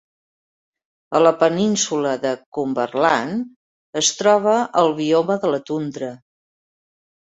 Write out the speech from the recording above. A la península de Cumberland es troba el bioma de la tundra.